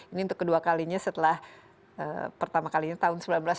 ini untuk kedua kalinya setelah pertama kalinya tahun seribu sembilan ratus sembilan puluh